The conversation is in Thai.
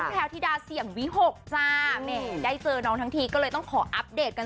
แพลวธิดาเสี่ยงวิหกจ้าแม่ได้เจอน้องทั้งทีก็เลยต้องขออัปเดตกัน